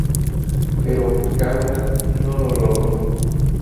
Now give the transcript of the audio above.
Pero Gauna no lo logró.